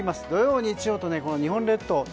土曜、日曜と日本列島